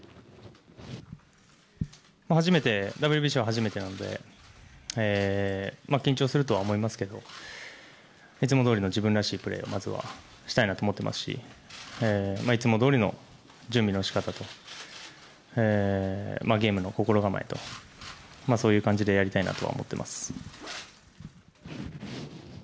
ＷＢＣは初めてなので緊張するとは思いますがいつもどおり自分らしいプレーをまずはしたいなと思っていますしいつもどおりの準備の仕方とゲームの心構えとそういう感じでやりたいと思っています。